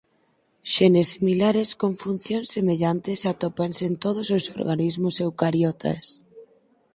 Xenes similares con funcións semellantes atópanse en todos os organismos eucariotas.